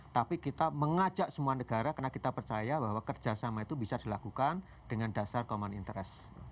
tapi kita mengajak semua negara karena kita percaya bahwa kerjasama itu bisa dilakukan dengan dasar common interest